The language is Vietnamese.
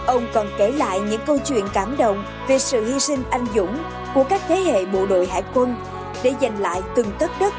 ông còn kể lại những câu chuyện cảm động về sự hy sinh anh dũng của các thế hệ bộ đội hải quân để giành lại từng tất đất